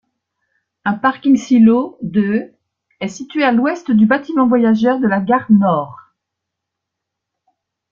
Un parking-silo de est situé à l'ouest du bâtiment voyageur de la gare Nord.